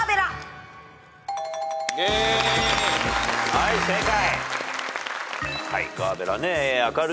はい正解。